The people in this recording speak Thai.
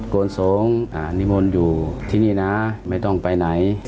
โกนสงฆ์นิมนต์อยู่ที่นี่นะไม่ต้องไปไหน